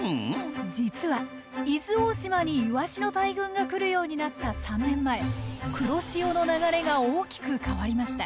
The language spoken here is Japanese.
実は伊豆大島にイワシの大群が来るようになった３年前黒潮の流れが大きく変わりました。